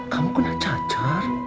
kamu kena cacar